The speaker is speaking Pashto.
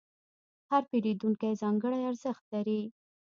هر پیرودونکی ځانګړی ارزښت لري.